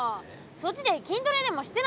そっちで筋トレでもしてなさい！